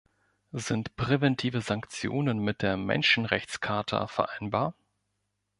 Sind präventive Sanktionen mit der Menschenrechtscharta vereinbar?